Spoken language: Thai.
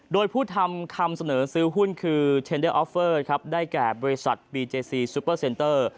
โดยผู้ทำคำเสนอซื้อหุ้นคือเทนเดอร์ออฟเฟอร์ครับได้แก่บริษัทบีเจซีซูเปอร์เซ็นเตอร์